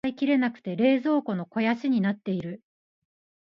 ジャムが使い切れなくて冷蔵庫の肥やしになっている。